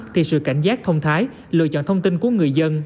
thì sự cảnh giác thông thái lựa chọn thông tin của người dân